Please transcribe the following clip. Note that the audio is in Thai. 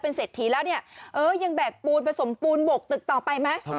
เป็นเสร็จถีแล้วยังแบกปูนผสมปูนบกตึกต่อไปไหม